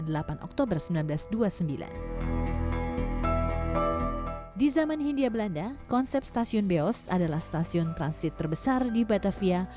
di zaman hindia belanda konsep stasiun beos adalah stasiun transit terbesar di batavia